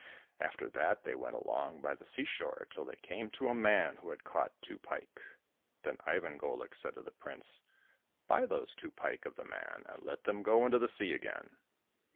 After that they went along by the seashore till they came to a man who had caught two pike. Then Ivan Golik said to the prince, " Buy those two pike of the man, and let them go into the sea again."